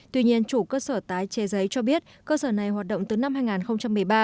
tuy nhiên chủ cơ sở tái chế giấy cho biết cơ sở này hoạt động từ năm hai nghìn một mươi ba